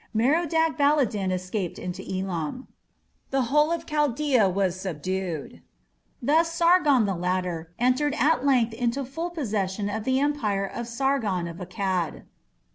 Merodach Baladan escaped into Elam. The whole of Chaldaea was subdued. Thus "Sargon the Later" entered at length into full possession of the empire of Sargon of Akkad.